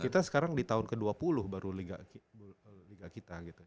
kita sekarang di tahun ke dua puluh baru liga kita gitu